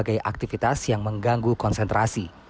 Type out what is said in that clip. sebagai aktivitas yang mengganggu konsentrasi